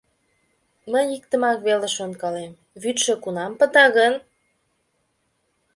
Мый иктымак веле шонкалем: «Вӱдшӧ кунам пыта гын?»